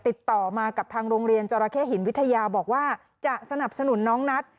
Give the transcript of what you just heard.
ติดต่อมากับทางโรงเรียนจราเข้หินวิทยาบอกว่าจะสนับสนุนน้องนัท